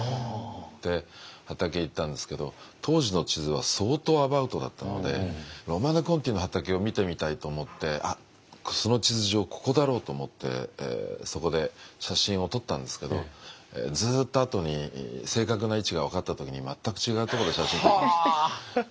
で畑行ったんですけど当時の地図は相当アバウトだったのでロマネコンティの畑を見てみたいと思ってその地図上ここだろうと思ってそこで写真を撮ったんですけどずっとあとに正確な位置が分かった時に全く違うところで写真を撮っていました。